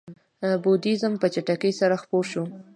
بودیزم په چټکۍ سره خپور شو.